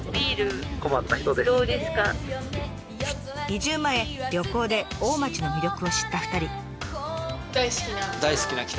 移住前旅行で大町の魅力を知った２人。